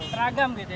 beragam gitu ya